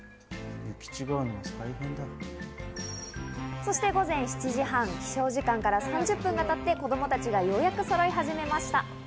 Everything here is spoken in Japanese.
そして午前７時半、起床時間から３０分がたって、子供たちがようやくそろい始めました。